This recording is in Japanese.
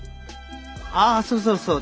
ああそうそうそう。